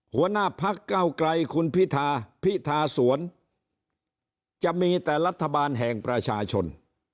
หัวหน้าพักเก้าไกลคุณพิธาพิธาสวนจะมีแต่รัฐบาลแห่งประชาชน